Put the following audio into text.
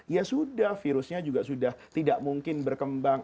ya sudah virusnya juga sudah tidak mungkin berkembang